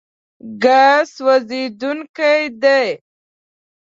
ګاز سوځېدونکی دی.